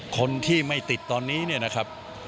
คนที่ไม่ติดตอนนี้เนี่ยนะครับ